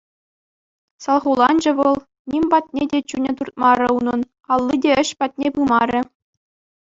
Салхуланчӗ вӑл, ним патне те чунӗ туртмарӗ унӑн, алли те ĕç патне пымарӗ.